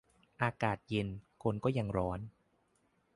อากาศเย็น คนก็ยังร้อน